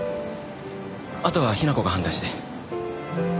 あとは雛子が判断して。